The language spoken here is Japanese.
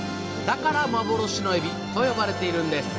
だから幻のエビと呼ばれているんです